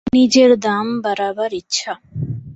নিজের দাম বাড়াবার ইচ্ছা।